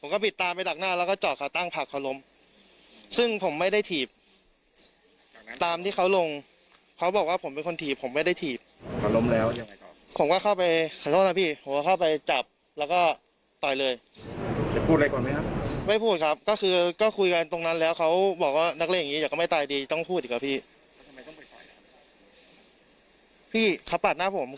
เขาก็อ้างกับเราแบบนี้นะบอกว่าไม่ได้ถีบนะ